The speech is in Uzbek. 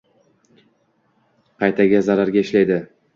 Qaytaga zararga ishlaydi.